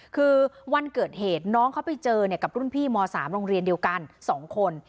คือวันเกิดเหตุน้องเขาไปเจอกับรุ่นพี่ม๓โรงเรียนเดียวกัน๒คน